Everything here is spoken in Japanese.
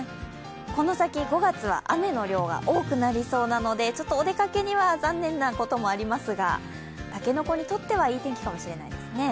この先５月は雨の量が多くなりそうなので、ちょっとお出かけには残念なこともありますがたけのこにとっては、いい天気かもしれないですね。